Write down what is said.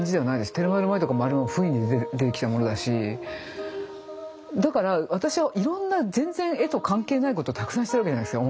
「テルマエ・ロマエ」とかもあれも不意に出てきたものだしだから私はいろんな全然絵と関係ないことたくさんしてるわけじゃないですか。